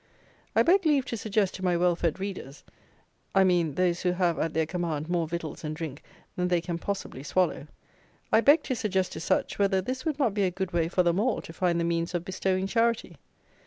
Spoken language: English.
I beg leave to suggest to my well fed readers; I mean, those who have at their command more victuals and drink than they can possibly swallow; I beg to suggest to such, whether this would not be a good way for them all to find the means of bestowing charity?